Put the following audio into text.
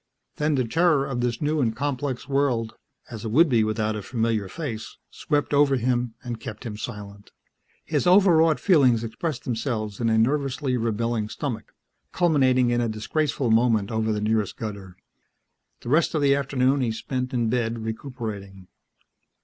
Then the terror of this new and complex world as it would be without a familiar face swept over him and kept him silent. His overwrought feelings expressed themselves in a nervously rebelling stomach, culminating in a disgraceful moment over the nearest gutter. The rest of the afternoon he spent in bed recuperating.